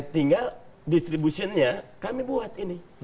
tinggal distributionnya kami buat ini